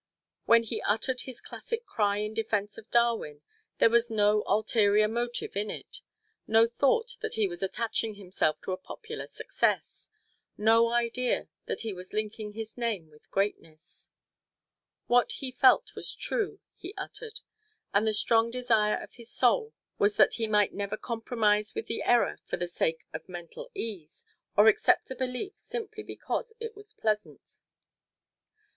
When he uttered his classic cry in defense of Darwin, there was no ulterior motive in it; no thought that he was attaching himself to a popular success; no idea that he was linking his name with greatness. What he felt was true, he uttered; and the strongest desire of his soul was that he might never compromise with the error for the sake of mental ease, or accept a belief simply because it was pleasant.